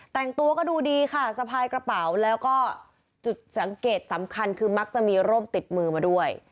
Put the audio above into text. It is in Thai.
แต่งตัวก็ดูดีค่ะสะพายกระเป๋าแล้วก็จุดสังเกตสำคัญคือมักจะมีร่มติดมือมาด้วย